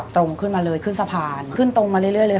จริงสาปานขึ้นตรงมาเรื่อย